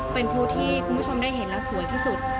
เป็นผู้ที่คุณผู้ชมได้เห็นแล้วสวยที่สุด